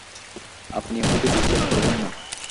আপনি হয়তো বিশ্বাস করবেন না।